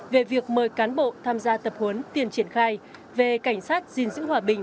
về việc mời cán bộ tham gia tập huấn tiền triển khai về cảnh sát gìn giữ hòa bình